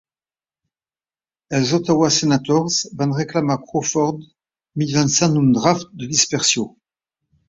Els Ottawa Senators van reclamar Crawford mitjançant un draft de dispersió.